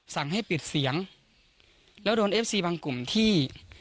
สั่งให้ปิดเสียงแล้วโดนเอฟซีบางกลุ่มที่